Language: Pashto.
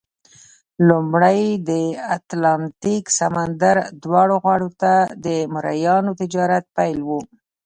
لومړی د اتلانتیک سمندر دواړو غاړو ته د مریانو تجارت پیل وو.